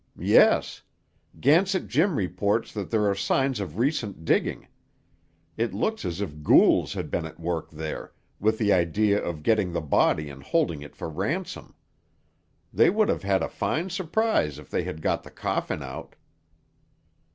"Yes. Gansett Jim reports that there are signs of recent digging. It looks as if ghouls had been at work there, with the idea of getting the body and holding it for ransom. They would have had a fine surprise if they had got the coffin out!"